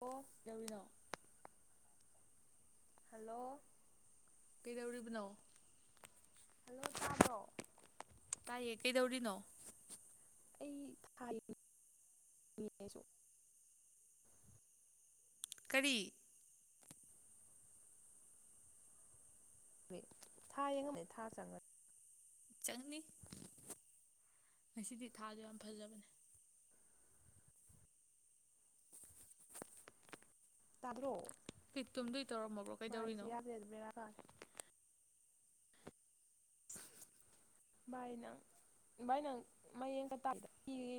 Hello ꯌꯥꯧꯔꯤꯅꯣ hello ꯀꯩꯗꯧꯔꯤꯕꯅꯣ hello ꯇꯥꯗꯣ ꯇꯏꯌꯦ ꯀꯩꯗꯧꯔꯤꯅꯣ ꯑꯩ ꯊꯥꯁꯨ ꯀꯔꯤ ꯍ ꯊꯥ ꯌꯦꯡꯉꯅꯤ ꯊꯥ ꯆꯪꯉꯅꯤ ꯆꯪꯅꯤ ꯉꯁꯤꯗꯤ ꯊꯥꯗꯣ ꯌꯥꯝ ꯐꯖꯕꯅꯦ꯫ ꯇꯥꯗ꯭ꯔꯣ꯫ ꯀ ꯇꯨꯝꯗꯣꯏ ꯇꯧꯔꯝꯃꯕ꯭ꯔꯣ ꯀꯩꯗꯧꯔꯤꯅꯣ꯫ ꯍꯦ꯫ ꯥꯏꯅ꯫ ꯚꯥꯏ ꯅꯪ ꯃꯌꯦꯡ ꯀꯇꯥꯗ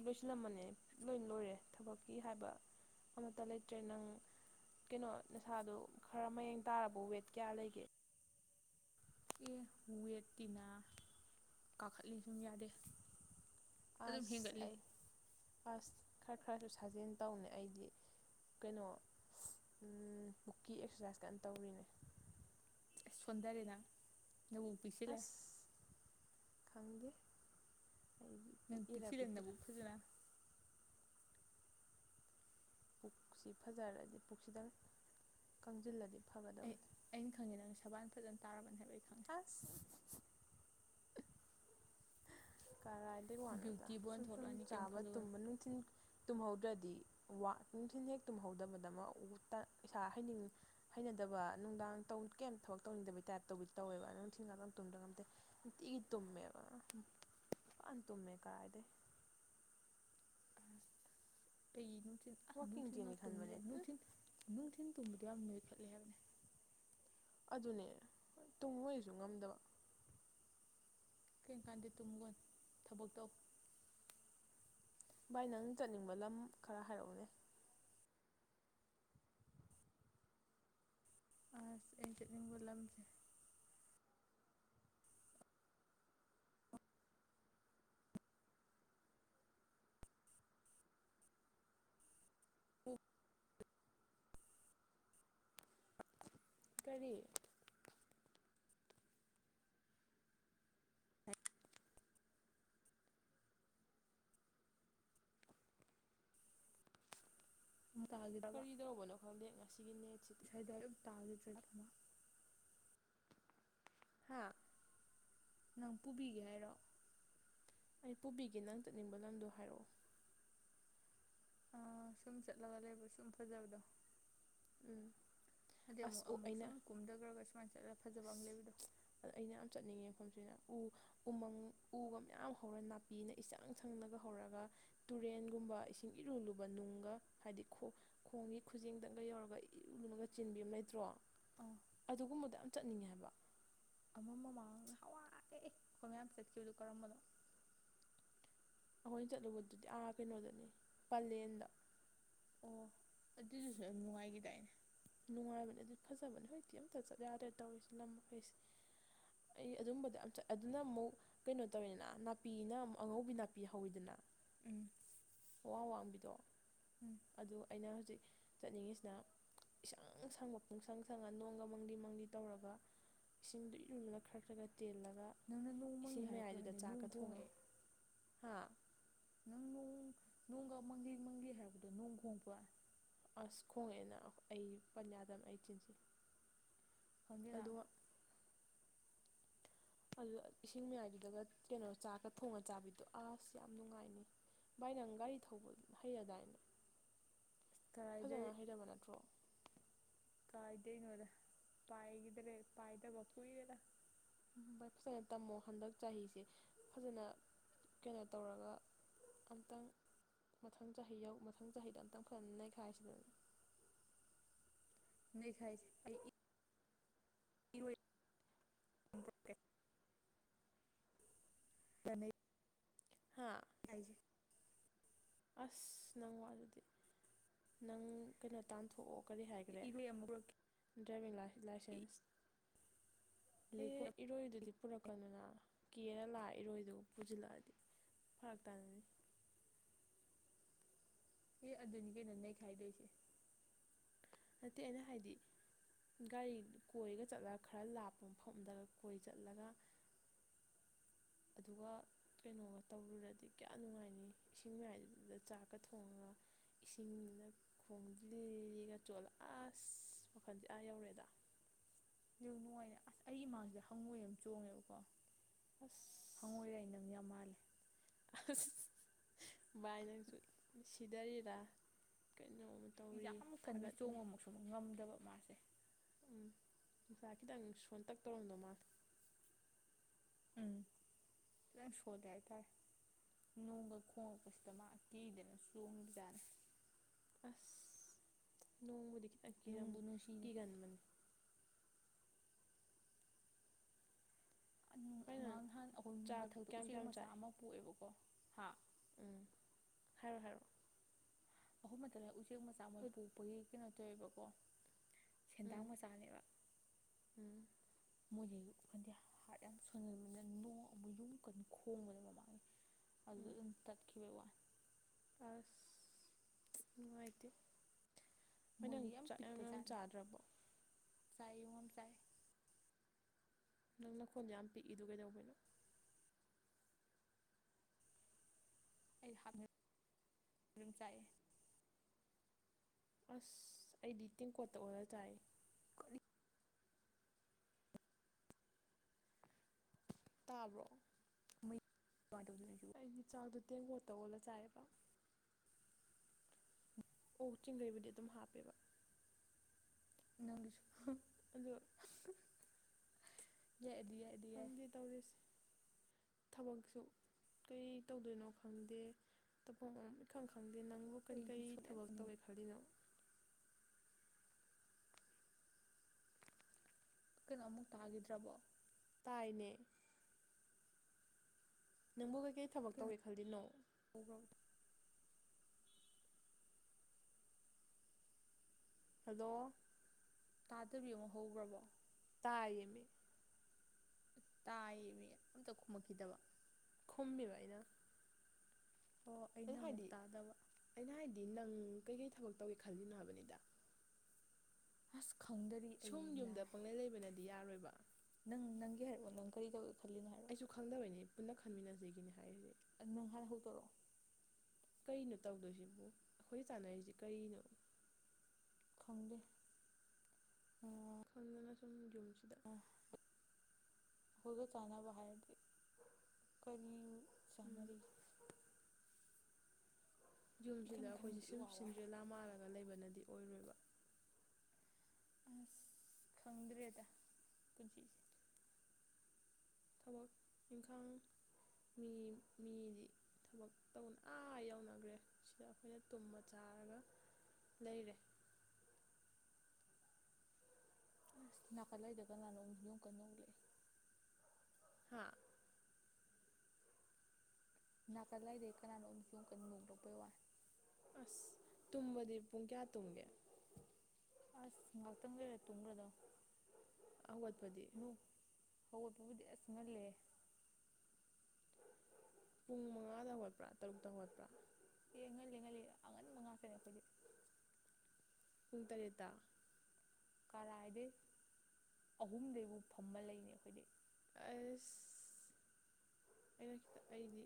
ꯂꯣꯏꯁꯤꯜꯂꯝꯃꯅꯦ ꯂꯣꯏ ꯂꯣꯏꯔꯦ ꯊꯕꯛꯀꯤ ꯍꯥꯏꯕ꯫ ꯑꯃꯠꯇ ꯂꯩꯇ꯭ꯔꯦ ꯅꯪ꯫ ꯀꯩꯅꯣ ꯅꯁꯥꯗꯣ ꯈꯔ ꯃꯌꯦꯡ ꯇꯥꯔꯕ ꯋꯦꯠ ꯀꯌꯥ ꯂꯩꯒꯦ꯫ ꯑꯦ ꯋꯦꯠꯇꯤꯅ ꯀꯥꯈꯠꯂꯤ ꯁꯨꯝ ꯌꯥꯗꯦ꯫ ꯑꯗꯨꯝ ꯑꯁ ꯍꯦꯟꯒꯠꯂꯤ ꯑꯩ ꯑꯁ ꯈꯔ ꯈꯔꯁꯨ ꯁꯥꯖꯦꯟ ꯇꯧꯅꯦ ꯑꯩꯗꯤ꯫ ꯀꯩꯅꯣ ꯕꯨꯛꯀꯤ ꯑꯦꯛꯁꯔꯁꯥꯏꯁ ꯀ ꯇꯧꯔꯤꯅꯦ꯫ ꯁꯣꯟꯗꯔꯦꯅ ꯅ ꯎ ꯄꯁꯤꯂꯦ꯫ ꯑꯁ ꯈꯪꯗꯦ ꯑꯩꯗꯤ ꯅꯪ ꯄꯤꯛ ꯏꯔꯥ ꯄꯤꯛꯁꯤꯜꯂꯦ ꯄꯤꯛꯇ꯭ꯔꯥ꯫ ꯅꯕꯨꯛ ꯐꯖꯅ ꯄꯨꯛꯁꯤ ꯐꯖꯔꯗꯤ ꯄꯨꯛꯁꯤꯗꯪ ꯀꯪꯁꯤꯜꯂꯗꯤ꯫ ꯑꯩ ꯐꯒꯗꯕꯅꯤ ꯑꯩꯅ ꯈꯪꯉꯦ ꯅꯪ ꯁꯕꯥꯜ ꯐꯖꯅ ꯇꯥꯔꯕꯅꯤ ꯍꯥꯏꯕꯒꯤ꯫ ꯑꯁ ꯀꯔꯥꯏꯗꯒꯤ ꯋꯥꯅꯣꯗ ꯕ꯭ꯌꯨꯇꯤ ꯕꯣꯟ ꯁꯨꯝ ꯁꯨꯝ ꯊꯣꯛꯂꯛꯑꯅꯤ ꯀꯩꯝ ꯆꯥꯕ ꯈꯜꯂꯨꯒꯅꯨ ꯇꯨꯝꯕ ꯅꯨꯡꯊꯤꯟ ꯇꯨꯝꯍꯧꯗ꯭ꯔꯗꯤ ꯋꯥ ꯅꯨꯡꯊꯤꯟ ꯍꯦꯛ ꯇꯨꯝꯍꯧꯗꯕꯗꯃꯛ ꯏꯁꯩꯥ ꯍꯅꯤꯡ ꯍꯩꯅ꯫ ꯗꯕ ꯅꯨꯡꯗꯥꯡ ꯀꯝ ꯊꯕꯛ ꯇꯧꯅꯤꯡꯗꯕ ꯇꯥꯏꯞꯇꯧꯕ ꯇꯧꯋꯦꯕ ꯅꯨꯡꯊꯤꯟ ꯉꯥꯛꯇꯨꯝ ꯉꯝꯦ ꯅꯨꯡꯇꯤꯒꯤ꯫ ꯐꯟ ꯇꯨꯝꯃꯦ ꯀꯥꯏꯗ꯫ ꯄꯤꯟ ꯋꯥꯛꯀꯤꯡ ꯑꯅꯨꯡꯇꯤꯟ ꯆꯦꯟꯒꯦ ꯈꯟꯕꯅꯦ ꯎꯝ ꯇꯨꯝ꯭ꯔꯦꯇꯤꯟꯅꯨꯡꯇꯤꯟ ꯇꯨꯝ꯭ꯔꯦ꯫ ꯌꯥꯝ ꯅꯣꯏꯈꯠꯂꯦ ꯍꯥꯏꯕꯅꯦ꯫ ꯑꯗꯨꯅꯦ ꯇꯨꯝꯃꯣꯏꯁꯨ ꯉꯝꯗꯕ꯫ ꯀꯩ ꯀꯥꯟꯗ ꯇꯨꯝꯒꯟ ꯊꯕꯛ ꯇꯧ꯫ ꯚꯥꯏ ꯅꯪ ꯆꯠꯅꯤꯡꯕ ꯂꯝ ꯈꯔ ꯍꯥꯏꯔꯛꯎꯅꯦ꯫ ꯑꯥꯁ ꯑꯩ ꯆꯠꯅꯤꯡꯕ ꯂꯝꯁꯦ [inaudible] [unintelligible] ꯑꯟꯑꯣꯗꯤꯕꯜ ꯀꯔꯤ꯫ ꯑꯃꯨꯛ ꯇꯥꯈꯤꯗ꯭ꯔꯕ ꯀꯔꯤ ꯇꯧꯕꯅꯣ ꯈꯪꯗꯦ ꯉꯁꯤꯒꯤ ꯅꯦꯠꯁꯤꯗꯤ꯫ ꯉꯁꯥꯏꯗꯣ ꯑꯗꯨꯝ ꯇꯥꯈꯤꯗ꯭ꯔꯦ ꯑꯃ ꯍꯥ ꯅꯪ ꯄꯨꯕꯤꯒꯦ ꯍꯥꯏꯔꯣ꯫ ꯑꯩ ꯄꯨꯕꯤꯒꯦ ꯅꯪ ꯆꯠꯅꯤꯡꯕ ꯂꯝꯗꯣ ꯍꯥꯏꯔꯛꯑꯣ꯫ ꯑꯥ ꯁꯨꯝ ꯆꯠꯂꯒ ꯂꯩꯕ ꯁꯨꯝ ꯐꯖꯕꯗꯣ꯫ ꯎꯝ ꯍꯥꯏꯗꯤ ꯑꯁ ꯑꯃꯨꯛ ꯑꯣ ꯑꯃꯨꯛꯁꯨ ꯑꯩꯅ ꯑꯃꯨꯛ ꯀꯨꯝꯗꯒ꯭ꯔꯒꯁ ꯆꯠꯂ꯫ ꯑꯁ ꯑꯗ ꯑꯩꯅ ꯌꯥꯝ ꯆꯠꯅꯤꯡꯉꯦ꯫ ꯅ ꯎ ꯎꯃꯪ ꯎꯒ ꯃꯌꯥꯝ ꯍꯧꯔ ꯅꯥꯄꯤꯅ ꯏꯆꯪ ꯁꯪꯅꯒ ꯍꯧꯔꯒ꯫ ꯇꯨꯔꯦꯟꯒꯨꯝꯕ ꯏꯁꯤꯡ ꯏꯔꯨ ꯂꯨꯕ ꯅꯨꯡꯒ ꯍꯥꯏꯗꯤ ꯈꯣꯡꯒꯤ ꯈꯨꯖꯤꯡꯗꯪꯒ ꯌꯧꯔꯒ ꯏꯔꯨ ꯂꯨ꯫ ꯃꯆꯤꯟ ꯂꯩꯇ꯭ꯔꯣ ꯑꯥ ꯑꯗꯨꯒꯨꯝꯕꯗ ꯌꯥꯝ ꯆꯠꯅꯤꯡꯉꯦ ꯍꯥꯏꯕ꯫ ꯃꯥꯡꯗ ꯍꯋꯥꯏ ꯑꯩꯈꯣꯏ ꯃꯌꯥꯝ ꯆꯠꯈꯤꯕꯗꯨꯣ ꯀꯔꯝꯕꯅꯣ꯫ ꯑꯩꯈꯣꯏꯅ ꯆꯠꯂꯨꯕꯗꯨꯗꯤ ꯑꯥ ꯀꯩꯅꯣꯗꯅꯦ ꯄꯂꯦꯟꯗ꯫ ꯑꯣ ꯑꯗꯨꯗꯨꯁꯨ ꯌꯥꯝ ꯅꯨꯡꯉꯥꯏꯈꯤꯗꯥꯏꯅꯦ꯫ ꯅꯨꯡꯉꯥꯏꯕꯅꯦ ꯑꯗꯨ ꯐꯖꯕꯅꯦ ꯍꯧꯖꯤꯛꯇꯤ ꯑꯝꯇ ꯆꯠ ꯌꯥꯗ꯭ꯔꯦ ꯇꯧꯔꯤꯁꯦ ꯂꯝꯃꯈꯩꯁꯦ ꯑꯩ ꯑꯗꯨꯝꯕꯗ ꯌꯥꯝ ꯆꯠ ꯑꯗꯨꯅ ꯑꯃꯨꯛ ꯀꯩꯅꯣ ꯇꯧꯋꯤꯗꯅ ꯅꯥꯄꯤꯅ ꯑꯃꯨꯛ ꯑꯉꯧꯕꯤ ꯅꯥꯄꯤ ꯍꯧꯋꯤꯗꯅ ꯎꯝ ꯋꯥ ꯋꯥꯡꯕꯤꯗꯣ ꯎꯝ ꯑꯗꯨ ꯑꯩꯅ ꯍꯧꯖꯤꯛ ꯆꯠꯅꯤꯡꯉꯤꯁꯤꯅ ꯏꯁꯪ ꯁꯪꯕ ꯄꯨꯡ ꯁꯪ ꯁꯪꯉ ꯅꯣꯡꯒ ꯃꯪꯗꯤ ꯃꯪꯗꯤ ꯇꯧꯔꯒ ꯏꯁꯤꯡꯗꯨ ꯏꯔꯨꯂ ꯈ꯭ꯔꯈ꯭ꯔꯒ ꯇꯦꯜꯂꯒ ꯅꯪꯅ ꯅꯣꯡ ꯃꯪꯉꯤ ꯏꯁꯤꯡ ꯍꯥꯏꯔꯛꯄ꯭ꯔꯥ ꯃꯌꯥꯏꯗꯨꯗ ꯈꯪꯗꯦ ꯅꯣꯡ ꯆꯥꯛꯀ ꯊꯣꯡꯉꯣ ꯈꯣꯡꯉꯛꯑꯦ ꯍꯥ ꯅꯪ ꯅꯣꯡ ꯅꯣꯡꯒ ꯃꯪꯒ ꯃꯪꯒꯦ ꯍꯥꯏꯕꯗꯣ ꯅꯣꯡ ꯈꯣꯡꯕ ꯑꯁ ꯈꯣꯡꯉꯛꯦꯅ ꯑꯩ ꯄꯟ ꯌꯥꯗꯕ ꯑꯩ ꯆꯤꯟꯁꯤ꯫ ꯈꯪꯗꯦꯗ ꯑꯗꯨ ꯏꯁꯤꯡ ꯃꯌꯥꯏꯕꯤꯗꯒ ꯀꯩꯅꯣ ꯆꯥꯛꯀ ꯊꯣꯡꯉ ꯆꯥꯕꯤꯗꯣ ꯑꯁ ꯌꯥꯝ ꯅꯨꯡꯉꯥꯏꯅꯤ ꯚꯥꯏ ꯅꯪ ꯒꯥꯔꯤ ꯊꯧꯕ ꯍꯩꯔꯗꯥꯏꯅꯦ ꯀꯔꯥꯏꯗꯩ ꯐꯖꯅ ꯍꯩꯔꯕ ꯅꯠꯇ꯭ꯔꯣ ꯀꯥꯏꯗꯩ ꯅꯣꯗ ꯄꯥꯏꯒꯗ꯭ꯔꯦ ꯄꯥꯏꯗꯕ ꯀꯩꯏꯔꯦꯗ ꯚꯥꯏ ꯐꯖꯅ ꯇꯝꯃꯣ ꯍꯟꯗꯛ ꯆꯍꯤꯁꯦ ꯐꯖꯅ ꯀꯩꯅꯣ ꯇꯧꯔꯒ ꯑꯝꯇꯪ ꯃꯊꯪ ꯆꯍꯤ ꯌꯧ ꯃꯊꯪ ꯆꯍꯤꯗ ꯑꯝꯇꯪ ꯐꯖꯅ ꯅꯩꯈꯥꯏꯁꯤꯗꯅ ꯅꯈꯥꯏ ꯑꯩ [unintelligible] ꯇꯅ ꯍꯥ ꯑ ꯑꯁ ꯅꯪ ꯋꯥ ꯑꯗꯨꯗꯤ ꯅꯪ ꯀꯩꯅꯣ ꯇꯥꯟꯊꯣꯛꯑꯣ ꯀꯔꯤ ꯍꯥꯏꯈ꯭ꯔꯦ ꯏꯔꯣꯏ ꯑꯃꯨꯛ ꯄꯨꯔꯛꯀꯦ ꯗ꯭ꯔꯥꯏꯚꯡ ꯂꯥꯏꯁꯦꯟꯁ ꯑꯦ ꯂꯩꯈꯣꯝ ꯏꯔꯣꯏ ꯑꯗꯨꯗꯤ ꯄꯨꯔꯛꯀꯗꯨꯅ ꯀꯦꯔ ꯂꯥꯛꯑ ꯏꯔꯣꯏꯗꯨ ꯄꯨꯁꯤꯜꯂꯛꯑꯗꯤ ꯐꯔꯛ ꯇꯥꯅꯅꯤ [unintelligible] ꯑꯦ ꯑ ꯑꯗꯨꯅꯤꯒꯤ ꯅꯅꯩ ꯈꯥꯏꯗꯦꯁꯤ ꯅꯠꯇꯦ ꯑꯩꯅ ꯍꯥꯏꯗꯤ ꯒꯥꯔꯤ ꯀꯣꯏꯔꯒ ꯆꯠꯂꯒ ꯈꯔ ꯂꯥꯞꯄ ꯃꯐꯝꯗ ꯀꯣꯏ ꯆꯠꯂꯒ [unintelligible] ꯑꯗꯨꯒ ꯀꯩꯅꯣꯒ ꯇꯧꯔꯨꯔꯗꯤ ꯀꯌꯥꯝ ꯅꯨꯡꯉꯥꯏꯅꯤ ꯏꯁꯤꯡ ꯃꯌꯥꯏꯗꯨꯗꯨꯗ ꯆꯥꯛꯀ ꯊꯣꯡꯉꯒ ꯏꯁꯤꯡꯗ ꯈꯣꯡꯗꯒ ꯆꯣꯠꯂꯛ ꯑꯁ ꯃꯈꯜꯁꯦ ꯑꯥ ꯌꯧꯔꯦꯗ ꯌꯥꯝ ꯅꯨꯡꯉꯥꯏꯅꯦ ꯑꯁ ꯑꯩ ꯏꯃꯥꯡꯁꯤꯦ ꯍꯪꯉꯣꯏ ꯑꯃ ꯆꯣꯡꯉꯦꯕꯀꯣ ꯑꯁ ꯍꯪꯉꯣꯏꯔꯩ ꯌꯥꯝ ꯃꯥꯜꯂꯦ ꯑꯁ ꯚꯥꯏ ꯅꯪꯁꯨ ꯁꯤꯗꯔꯤꯔꯥ ꯀꯩꯅꯣꯝꯃ ꯇꯧꯔꯤ ꯌꯥꯝ ꯀꯟꯅ ꯊꯥꯒꯠꯅꯤ ꯆꯣꯡꯕꯃꯨꯁꯨ ꯉꯝꯗꯕ ꯃꯥꯁꯦ ꯎꯝ ꯉꯁꯥ ꯈꯤꯇꯪ ꯁꯣꯟ ꯇꯛ ꯇꯧꯔꯝꯗꯧ ꯃꯥꯜ ꯎꯝ ꯏꯝ ꯁꯣꯂꯦꯇꯥꯥꯏ ꯅꯣꯡꯒ ꯈꯣꯡꯉꯛꯄꯁꯤꯗ ꯃꯥ ꯑꯀꯤꯤꯗꯅ ꯆꯣꯡꯕꯖꯥꯠꯅꯤ ꯑꯁ ꯅꯣꯡꯃꯀꯤ ꯌꯥꯝ ꯅꯨꯡꯕꯨ ꯅꯨꯡꯁꯤꯅꯦ ꯀ ꯀꯥꯟꯕꯅꯤ ꯑꯉꯥꯡ ꯚꯥꯏ ꯅꯪ ꯅꯍꯥꯟ ꯑꯩꯈꯣꯏ ꯆꯥꯛ ꯃꯊꯛꯇ ꯀꯌꯥꯝ ꯎꯆꯦꯛ ꯀꯌꯥꯝ ꯃꯆꯥ ꯆꯥꯏ ꯑꯃ ꯄꯣꯛꯑꯦꯕꯀꯣ ꯍꯥ ꯎꯝ ꯍꯔ ꯍꯥꯏꯔ ꯑꯍꯨꯝ ꯃꯇꯝꯊꯗ ꯎꯆꯦꯛ ꯃꯆꯥ ꯃꯣꯏ ꯄꯣꯛꯄꯒꯤ ꯀꯩꯅꯣ ꯇꯧꯋꯦꯕꯀꯣ ꯁꯦꯟꯗꯥꯡ ꯎꯝ ꯃꯆꯥꯅꯦꯕ ꯎꯝ ꯃꯣꯏꯗ ꯑꯩꯗꯗꯤ ꯍꯥꯔꯠ ꯌꯥꯝ ꯁꯪꯒꯕꯅꯤꯅ ꯅꯣꯡ ꯑꯃꯨꯛ ꯌꯨꯝ ꯀꯟꯅ ꯈꯣꯡꯕꯗ ꯃꯃꯥꯡꯒꯤ ꯑꯗꯨ ꯎꯝ ꯑꯗꯨ ꯇꯠꯀꯤꯈꯤꯕ ꯋꯥ ꯑꯁ ꯅꯨꯡꯇ ꯍꯣꯏꯅ ꯃꯣꯏꯗꯤ ꯌꯥꯝ ꯄꯤꯛꯄ ꯌꯥꯝ ꯖꯥꯠꯅꯦ ꯆꯥꯗ꯭ꯔꯕꯣ [unintelligible] ꯅꯪꯅꯈꯣꯟ ꯌꯥꯝ ꯄꯤꯛꯏꯗꯨ ꯀꯩꯗꯧꯕꯅꯣ ꯑꯩ ꯍꯥꯞ ꯑꯗꯨꯝ ꯆꯥꯏꯑꯦ ꯑꯁ ꯑꯩꯗꯤ ꯇꯦꯡꯀꯣꯠꯇ ꯑꯣꯏꯔ ꯆꯥꯏ ꯀꯅꯤ ꯇꯥꯕ꯭ꯔꯣ ꯃꯣꯏ ꯑꯩꯒꯤ ꯆꯥꯛꯗꯣ ꯇꯦꯡꯒꯣꯠꯇ ꯑꯣꯜꯂ ꯆꯥꯏꯌꯦꯕ ꯑꯣ ꯆꯤꯡꯒꯩꯕꯨꯗꯤ ꯑꯗꯨꯝ ꯍꯥꯞꯄꯦꯕ ꯅꯪꯁꯨ ꯎ ꯌꯥꯏ ꯑꯗꯨ ꯌꯥꯏ ꯑꯗꯨ ꯌꯥꯏ ꯐꯪꯗꯤ ꯇꯧꯔꯤꯁ ꯊꯕꯛꯁꯨ ꯀꯔꯤ ꯇꯧꯗꯣꯏꯅꯣ ꯈꯪꯗꯦ ꯊꯐꯝ ꯏꯈꯪ ꯈꯪꯗꯦ ꯑ ꯅꯪꯕꯨ ꯀꯔꯤ ꯑꯩꯁꯨ ꯀꯔꯤ ꯁꯨꯛꯌꯥꯝ ꯊꯕꯛ ꯌꯥꯅꯤꯡ ꯇꯧꯏꯦ ꯈꯔꯜꯂꯤꯅꯣ ꯀꯩꯅꯣ ꯑꯃꯨꯛ ꯇꯥꯈꯤꯗ꯭ꯔꯕꯣ ꯇꯥꯏꯅꯦ ꯅꯪꯕꯨ ꯀꯩꯀꯩ ꯊꯕꯛ ꯀꯩꯅꯣ ꯇꯧꯒꯦ ꯈꯜꯂꯤꯅꯣ ꯍꯧꯈ꯭ꯔꯕ ꯍꯜꯂꯣ ꯇꯥꯗꯕꯤ ꯑꯃꯃꯣꯛ ꯍꯧꯒ꯭ꯔꯕꯣ ꯇꯥꯏꯌꯦꯃꯤ ꯇꯥꯏꯌꯦ ꯑꯝꯇ ꯈꯨꯝꯃꯛꯈꯤꯗꯕ ꯈꯨꯝꯃꯦꯕ ꯑꯩꯅ ꯑꯣ ꯑꯩꯅ ꯑꯃꯨꯛ ꯍꯥꯏꯗꯤ ꯇꯥꯗꯕ ꯑꯩꯅ ꯍꯥꯏꯗꯤ ꯅꯪ ꯀꯩꯀꯩ ꯊꯕꯛ ꯇꯧꯒꯦ ꯈꯜꯂꯤꯅꯣ ꯍꯥꯏꯕꯅꯤꯗ ꯑꯁ ꯈꯪꯗꯔꯤ ꯑꯩ ꯁꯨꯝ ꯅ ꯌꯨꯝꯗ ꯄꯪꯂꯩ ꯂꯩꯕꯅꯗꯤ ꯌꯥꯔꯣꯏꯕ ꯅꯪ ꯅꯪ ꯍꯥꯏꯔꯛꯑꯣ ꯅꯪ ꯀꯔꯤ ꯇꯧꯒꯦ ꯈꯜꯂꯤ ꯑꯩꯁꯨ ꯈꯪꯗꯕꯩꯅꯤ ꯄꯨꯟꯅ ꯈꯟꯃꯤꯟꯅꯖꯦꯒꯤꯅꯤ ꯍꯥꯏꯔꯤꯕ ꯑꯗ ꯅꯪ ꯍꯥꯟꯅ ꯍꯧꯗꯣꯔꯛꯑꯣ ꯀꯩꯅꯣ ꯇꯧꯗꯣꯏꯁꯤꯕꯨ ꯑꯩꯈꯣꯏ ꯆꯥꯅꯔꯤꯁꯤ ꯀꯔꯤꯅꯣ ꯈꯪꯗꯦ ꯎꯝ ꯈꯪꯗꯅ ꯁꯨꯝ ꯌꯨꯝꯁꯤꯗ ꯑꯩꯈꯣꯏꯒ ꯆꯥꯟꯅꯕ ꯍꯥꯏꯔꯗꯤ ꯀꯔꯤ ꯎꯝ ꯆꯥꯟꯅꯔꯤꯒꯦ ꯌꯨꯝꯁꯤꯗ ꯏꯈꯟ ꯑꯩꯈꯣꯏꯁꯦ ꯈꯟꯕꯗ ꯁꯤꯝ ꯏꯋꯥ ꯋꯥꯏ ꯁꯤꯟꯗ꯭ꯔꯦꯂꯥ ꯃꯥꯥꯜꯂꯒ ꯂꯩꯕꯅꯗꯤ ꯑꯣꯏꯔꯣꯏꯕ ꯑꯁ ꯈꯪꯗ꯭ꯔꯦꯗ ꯄꯨꯟꯁꯤꯁꯦ ꯊꯕꯛ ꯏꯪꯈꯥꯡ ꯃꯤ ꯃꯤꯗꯤ ꯊꯕꯛ ꯇꯧ ꯑꯥ ꯌꯧꯅꯒ꯭ꯔꯦ ꯁꯤꯗ ꯑꯩꯈꯣꯏꯅ ꯇꯨꯝꯃ ꯆꯥꯔꯒ ꯂꯩꯔꯦ ꯇꯥꯕ ꯉꯝꯗꯕ ꯑꯁ ꯅꯥꯀꯜ ꯂꯩꯗꯣ ꯀꯅꯥꯅꯣ ꯌꯣꯡ ꯀꯟꯅ ꯅꯣꯛꯂꯛꯏ ꯍꯥ ꯅꯥꯀꯜ ꯂꯥꯏꯗꯩ ꯀꯅꯥꯅꯣꯝ ꯌꯣꯡ ꯀꯟꯅ ꯅꯣꯡꯂꯛꯄꯩ ꯋꯥꯅꯤ ꯑꯁ ꯇꯨꯝꯕꯗꯤ ꯄꯨꯡ ꯀꯌꯥ ꯇꯨꯝꯒꯦ ꯑꯁ ꯉꯥꯛꯇꯪ ꯂꯩꯔ ꯇꯨꯝꯒ꯭ꯔꯗꯧꯅꯤ ꯍꯧꯒꯠꯄꯗꯤ ꯅꯨꯡ ꯍꯧꯒꯠꯄꯕꯨꯗꯤ ꯑꯁ ꯉꯜꯂꯦ ꯄꯨꯡ ꯃꯉꯥꯗ ꯍꯣꯒꯠꯄ꯭ꯔꯥ ꯇꯔꯨꯛꯇ ꯍꯣꯒꯠꯄ꯭ꯔꯥ ꯑꯦ ꯉꯜꯂꯤ ꯉꯜꯂꯤ ꯑꯉꯟꯕ ꯉꯥꯥꯛꯇꯅꯦ ꯑꯩꯈꯣꯏꯗꯤ ꯄꯨꯡ ꯇꯔꯦꯠꯇ ꯀꯔꯥꯏꯗꯩ ꯑꯍꯨꯝꯗꯩꯕꯨ ꯐꯝꯃ ꯂꯩꯅꯦ ꯑꯈꯣꯏꯗꯤ ꯑꯁ ꯑꯩꯅꯈꯤꯇꯪ ꯑꯩꯗꯤ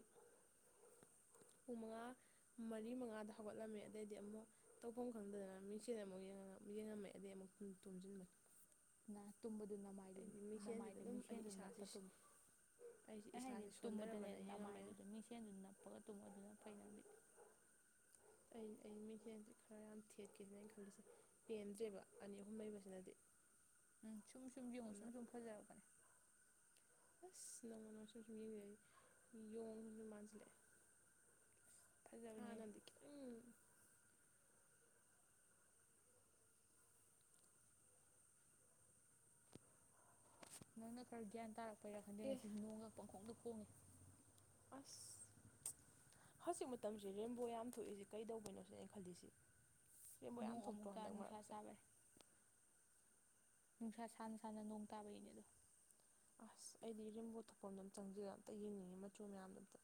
ꯄꯨꯡ ꯃꯉꯥ ꯃꯔꯤ ꯃꯉꯥꯗ ꯍꯧꯒꯠꯂꯝꯃꯦ ꯑꯗꯩꯗꯤ ꯑꯃꯨꯛ ꯇꯧꯐꯝ ꯈꯪꯗꯗꯅ ꯃꯤꯡꯁꯦꯜ ꯑꯃꯨꯛ ꯌꯦꯡꯉꯒ ꯌꯦꯡꯉꯝꯃꯦ ꯑꯗꯩ ꯑꯃꯨꯛ ꯎꯝ ꯇꯨꯝꯖꯤꯟꯕꯅꯦ ꯅ ꯇꯨꯝꯕꯗꯨ ꯅꯃꯥꯏꯗꯨ ꯅꯃꯥꯏꯗ ꯑꯗꯨꯝ ꯑꯩ ꯃꯤꯡꯁꯦꯟꯗꯨ ꯏꯁꯥꯁꯤ ꯅꯞꯄ ꯇꯨꯝꯃꯤ ꯑꯩꯁꯦ ꯑꯩ ꯍꯥꯏꯗꯤ ꯏꯁꯥꯁꯦ ꯇꯨꯝꯕꯗꯅꯦ ꯁꯣꯟꯊꯔꯕꯅ ꯌꯦꯡꯉꯝꯃꯦ ꯅꯃꯥꯏꯗꯨꯗ ꯃꯤꯡꯁꯦꯟꯗꯨ ꯅꯞꯄꯒ ꯇꯨꯝꯕꯗꯨꯅ ꯐꯩ ꯅꯪꯗꯤ ꯂꯧꯁꯤꯟꯕ ꯉꯝꯗꯕ ꯑꯩ ꯑꯩ ꯃꯤꯁꯦꯟꯁꯦ ꯈꯔ ꯌꯥꯝ ꯊꯦꯠꯀꯦꯅ ꯑꯩꯅ ꯈꯟꯂꯤꯁꯦ ꯄꯦꯟꯗ꯭ꯔꯦꯕ ꯑꯅꯤ ꯑꯍꯨꯝ ꯂꯩꯕꯁꯤꯅꯗꯤ ꯎꯝ ꯁꯨꯝ ꯁꯨꯝ ꯌꯦꯡꯉꯣ ꯑꯗꯨꯅ ꯁꯨꯝ ꯁꯨꯝ ꯐꯖꯔꯛꯄꯅꯦ ꯑꯁ ꯅꯪꯡꯃ ꯅꯣꯡꯃ ꯁꯨꯝ ꯁꯨꯝ ꯌꯦꯡꯕꯗꯩꯗꯤ ꯌꯣꯡꯕꯨ ꯃꯥꯟꯁꯤꯜꯂꯛꯑꯦ ꯐꯖꯕꯅꯦ ꯍꯥꯟꯅꯗꯤ ꯈꯤꯇꯪ ꯎꯝ ꯅꯪꯅ ꯈꯔ ꯒ꯭ꯌꯥꯟ ꯇꯥꯔꯛꯄꯩꯔꯥ ꯈꯪꯗꯦ ꯑꯦ ꯉꯁꯤꯁꯦ ꯅꯣꯡꯒ ꯄꯪꯈꯣꯡꯗ ꯈꯣꯡꯉꯦ ꯑꯁ ꯍꯧꯖꯤꯛ ꯃꯇꯝꯁꯦ ꯔꯦꯝꯕꯣ ꯌꯥꯝ ꯊꯣꯛꯏꯁꯦ ꯀꯩꯗꯧꯕꯅꯣ ꯁꯤꯅꯦ ꯑꯩ ꯈꯜꯂꯤꯁꯤ ꯔꯦꯝꯕꯣ ꯌꯥꯝ ꯅꯣꯡ ꯊꯣꯛꯇ꯭ꯔꯣ ꯑꯃꯨꯛꯀ ꯍꯟꯗꯛ ꯅꯨꯡꯁꯥ ꯃꯔꯛꯁꯦ ꯁꯥꯕꯩ ꯅꯨꯡꯁꯥ ꯁꯥꯅ ꯁꯥꯅ ꯅꯣꯡ ꯇꯥꯕꯒꯤꯅꯦ ꯑꯗꯣ ꯑꯁ ꯑꯩꯗꯤ ꯔꯦꯝꯕꯣ ꯊꯣꯛꯐꯝꯗꯣ ꯆꯪꯖꯒ ꯑꯝꯇ ꯌꯦꯡꯅꯤꯡꯉꯤ ꯃꯆꯨ ꯃꯌꯥꯝꯗꯣ ꯑꯝꯇ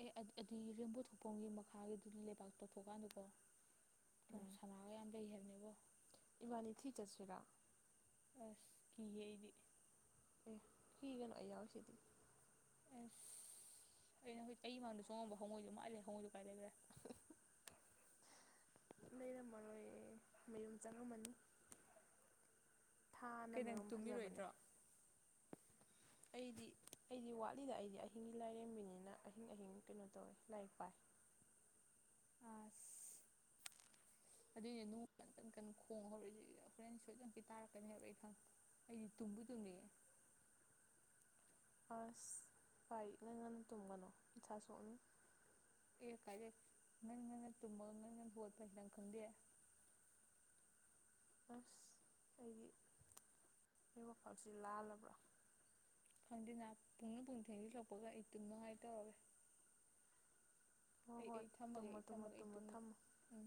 ꯑꯦ ꯑꯗꯨ ꯑꯗꯨꯏ ꯔꯦꯝꯕꯣ ꯊꯣꯛꯄꯝꯒꯤ ꯃꯈꯥꯒꯤꯗꯨ ꯂꯩꯕꯥꯛ ꯇꯧꯊꯣꯛꯀꯥꯟꯗꯀꯣ ꯀꯩꯅꯣ ꯎꯝ ꯁꯅꯥꯒ ꯌꯥꯝ ꯂꯩ ꯍꯥꯏꯕꯅꯦꯕꯣ ꯏꯕꯥꯅꯤ ꯊꯤ ꯆꯠꯆꯕꯤꯔꯥ ꯑꯁ ꯀꯌꯦ ꯏꯗꯤ ꯑꯦ ꯊꯤꯒ ꯅꯥꯛꯏ ꯌꯥꯑꯣ ꯁꯤꯗꯤ ꯎꯝ ꯑꯩꯅ ꯍꯧꯈꯣꯏ ꯀꯩ ꯃꯥꯡꯗ ꯆꯣꯡꯉꯝꯕ ꯍꯣꯡꯉꯣꯏꯁꯨ ꯃꯥꯜꯂꯦ ꯍꯉꯣꯏꯁꯨ ꯀꯥꯏ ꯂꯩꯈ꯭ꯔꯦ ꯂꯩꯔꯝ ꯃꯔꯣꯏ ꯃꯌꯨꯝ ꯆꯪꯉꯝꯃꯅꯤ ꯊꯥꯅ ꯀꯩ ꯅꯪ ꯃꯔꯨꯝ ꯐꯖꯕꯅꯦ ꯇꯨꯝꯃꯤꯔꯣꯏꯗ꯭ꯔꯣ ꯑꯩꯗꯤ ꯑꯩꯗꯤ ꯋꯥꯠꯂꯤꯗ ꯑꯩꯗꯤ ꯑꯍꯤꯡꯒꯤ ꯂꯥꯏꯔꯦꯝꯕꯤꯅꯤꯅ ꯑꯍꯤꯡ ꯑꯍꯤꯡ ꯀꯩꯅꯣ ꯇꯧꯋꯦ ꯂꯥꯏꯔꯤꯛ ꯄꯥꯏ ꯑ ꯑꯗꯨꯏꯅꯦ ꯅꯨꯡ ꯀꯟ ꯀꯟ ꯀꯟ ꯈꯣꯡꯉ ꯍꯧꯔꯛꯏꯁꯤꯗꯤ ꯍꯣꯔꯦꯟ ꯁꯣꯏꯗꯅꯤ ꯇꯥꯔꯛꯀꯅꯦꯕ ꯑꯩ ꯈꯪꯉꯦ ꯑꯩꯗꯤ ꯇꯨꯝꯕꯨꯗꯨꯅꯤꯌꯦꯦ ꯑꯁ ꯄꯥꯏꯛꯅ ꯉꯟꯅ ꯇꯨꯝꯒꯅꯨ ꯃꯁ ꯁꯣꯛꯅꯤ ꯑꯦ ꯀꯥꯖꯦ ꯉ ꯇꯃ ꯍ ꯄꯩꯁꯥꯅ ꯈꯪꯗꯦ [inaudible] ꯑꯁ ꯑꯩꯗꯤ ꯑꯩ ꯋꯥꯈꯜꯁꯤ ꯂꯥꯜꯂꯕ꯭ꯔꯥ ꯄꯨꯛꯅ ꯄꯨꯡ ꯊꯤꯟꯖꯤꯜꯂꯛꯄꯒ ꯏꯇꯨꯝꯅꯅꯨꯡꯉꯥꯏ ꯇꯧꯔꯋꯦ ꯍꯣꯏ ꯑꯩ ꯍꯣꯏ ꯑꯩ ꯊꯝꯃꯒꯦ ꯇꯨꯝꯃꯣ ꯑꯩ ꯇꯨꯝꯃꯣ ꯊꯝꯃꯒꯦ ꯑꯩ ꯇꯨꯝꯃꯣ ꯑꯗꯨꯨꯝꯝ ꯊꯝꯃꯣ ꯎꯝ